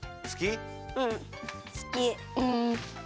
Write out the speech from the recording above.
うんすき。